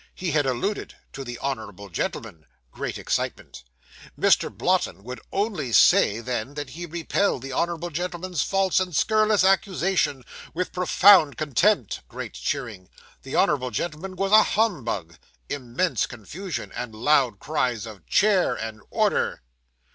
He had alluded to the honourable gentleman. (Great excitement.) 'MR. BLOTTON would only say then, that he repelled the hon. gent.'s false and scurrilous accusation, with profound contempt. (Great cheering.) The hon. gent. was a humbug. (Immense confusion, and loud cries of "Chair," and "Order.")